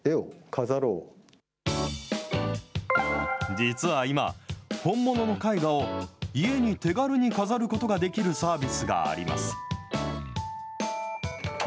実は今、本物の絵画を家に手軽に飾ることができるサービスがあります。